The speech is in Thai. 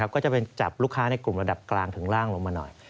ก็จะเป็นจับลูกค้าในกลุ่มระดับกลางถึงล่างลงมาหน่อย